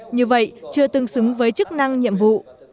như vậy chưa tương xứng với chức năng nhiệm vụ